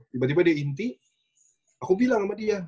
tiba tiba dia inti aku bilang sama dia